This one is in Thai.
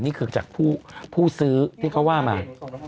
นี่คือจากผู้ซื้อที่เขาว่ามา